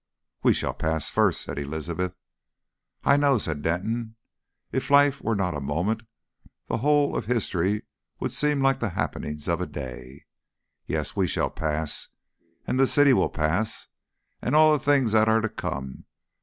"We shall pass first," said Elizabeth. "I know," said Denton. "If life were not a moment, the whole of history would seem like the happening of a day.... Yes we shall pass. And the city will pass, and all the things that are to come.